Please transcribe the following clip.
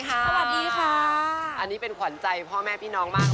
สวัสดีค่ะอันนี้เป็นขวัญใจพ่อแม่พี่น้องมาก